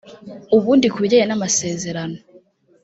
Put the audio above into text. Ubundi ku bijyanye n’amasezerano